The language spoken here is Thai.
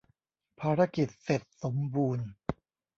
ภารกิจเสร็จสมบูรณ์ !